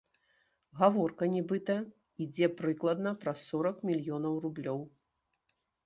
Гаворка, нібыта, ідзе прыкладна пра сорак мільёнаў рублёў.